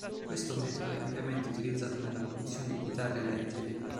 Questo metodo è ampiamente utilizzato nella produzione di chitarre elettriche.